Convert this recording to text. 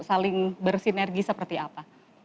saling bersinergi seperti apa